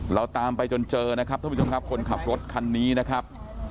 เราตามไปจนเจอนะครับท่านผู้ชมครับคนขับรถคันนี้นะครับ